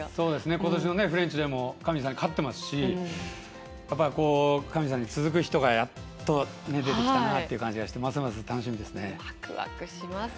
ことしのフレンチでも上地さんに勝ってますし上地さんに続く人がやっと出てきたなという感じでますます楽しみですね。